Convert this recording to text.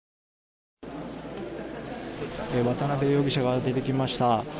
渡邉容疑者が出てきました。